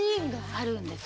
あるんです。